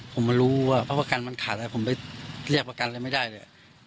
ผมมารู้ว่าเพราะประกันมันขาดอะไรผมไปเรียกประกันอะไรไม่ได้เลย